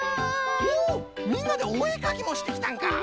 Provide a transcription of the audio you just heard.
おおみんなでおえかきもしてきたんか。